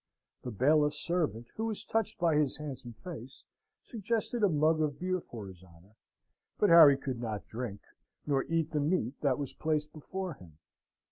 The bailiff's servant, who was touched by his handsome face, suggested a mug of beer for his honour, but Harry could not drink, nor eat the meat that was placed before him.